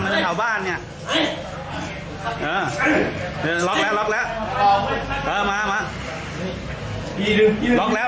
เหมือนกับข่าวบ้านเนี้ยเออหลอกแล้วหลอกแล้วเออมามาหลอกแล้ว